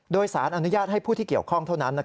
โดยสารอนุญาตให้ผู้ที่เกี่ยวข้องเท่านั้น